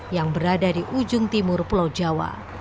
yang berada di ujung timur pulau jawa